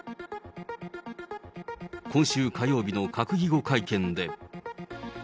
今週火曜日の閣議後会見で。